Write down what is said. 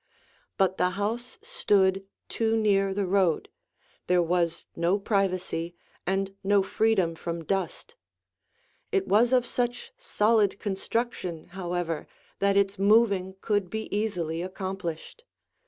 But the house stood too near the road; there was no privacy and no freedom from dust. It was of such solid construction, however, that its moving could be easily accomplished.